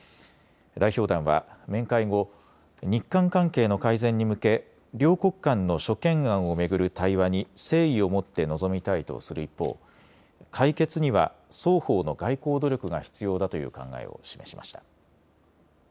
代表団は面会後、日韓関係の改善に向け両国間の諸懸案を巡る対話に誠意を持って臨みたいとする一方、解決には双方の外交努力が必要だという考えを示しました。